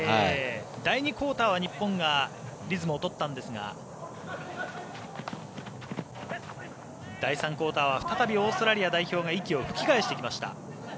第２クオーターは日本がリズムを取ったんですが第３クオーターは再びオーストラリア代表が息を吹き返してきました。